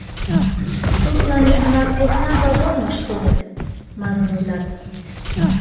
Тудлан лӱмынак посна вагоным ыштеныт, манын ойлат.